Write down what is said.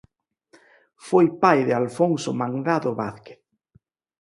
Foi pai de Alfonso Mandado Vázquez.